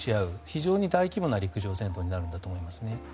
非常に大規模な陸上戦闘になるんだと思いますね。